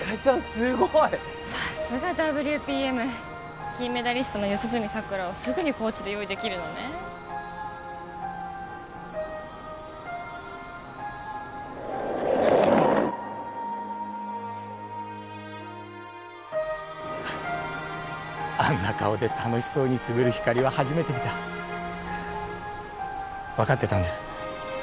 すごいさすがＷＰＭ金メダリストの四十住さくらをすぐにコーチで用意できるのねあんな顔で楽しそうに滑るひかりは初めて見た分かってたんです